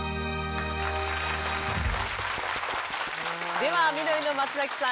では緑の松崎さん